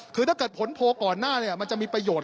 คือถ้าเกิดผลโพลก่อนหน้ามันจะมีประโยชน